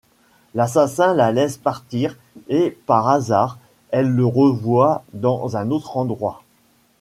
L'assassin la laisse partir, et par hasard elle le revoit dans un autre endroit.